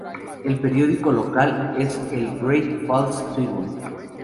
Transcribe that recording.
El periódico local es el Great Falls Tribune.